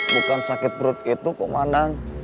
bukan sakit perut itu kemana